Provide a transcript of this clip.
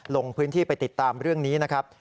ลงพื้นที่ไปติดตามเรื่องนี้นะครับ